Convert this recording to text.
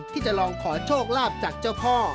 ที่จะลองขอโชคลาภจากเจ้าพ่อ